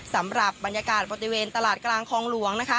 สำหรับบรรยากาศบริเวณตลาดกลางคลองหลวงนะคะ